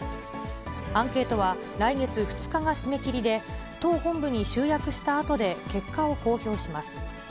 アンケートは来月２日が締め切りで、党本部に集約したあとで、結果を公表します。